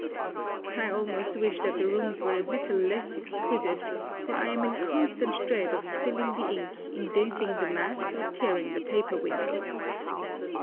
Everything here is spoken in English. I almost wish that the rooms were a little less exquisite, for I am in constant dread of spilling the ink, indenting the mats, or tearing the paper windows.